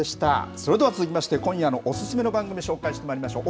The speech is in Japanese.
それでは続きまして、今夜のお勧めの番組、紹介してまいりましょう。